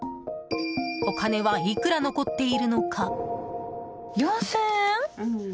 お金はいくら残っているのか。